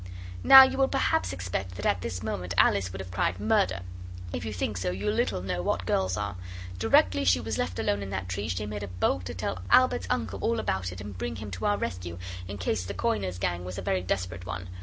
Now you will perhaps expect that at this moment Alice would have cried 'Murder!' If you think so you little know what girls are. Directly she was left alone in that tree she made a bolt to tell Albert's uncle all about it and bring him to our rescue in case the coiner's gang was a very desperate one.